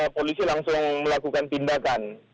polisi langsung melakukan tindakan